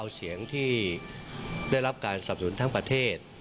เสียงที่ได้รับการสับสนุนทั้งประเทศ